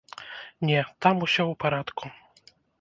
Не, там усё у парадку.